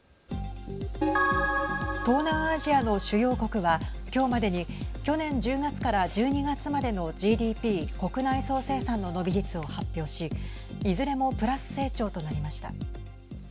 東南アジアの主要国は今日までに去年１０月から１２月までのＧＤＰ＝国内総生産の伸び率を発表しいずれもプラス成長となりました。